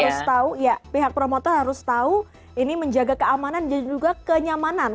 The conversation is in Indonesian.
harus tahu ya pihak promotor harus tahu ini menjaga keamanan dan juga kenyamanan